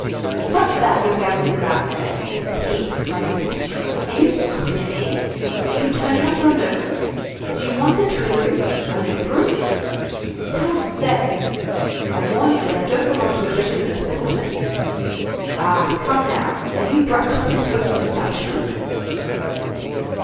"What's that you are gabbling about there?" he exclaimed. "Are you scoffing at me? Are you turning up your noses? Do you want the Tuileries? Are you brutes? Come, say! I warn you that I don't belong to the regiment of simpletons. Ah, come now, are you brats from the Pope's establishment?"